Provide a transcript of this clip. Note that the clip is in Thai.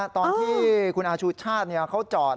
ตอนที่คุณอาชูชาติเขาจอด